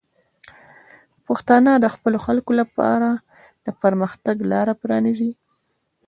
پښتانه د خپلو خلکو لپاره د پرمختګ لاره پرانیزي.